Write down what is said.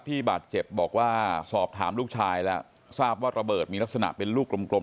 ที่บาดเจ็บบอกว่าสอบถามลูกชายแล้วทราบว่าระเบิดมีลักษณะเป็นลูกกลม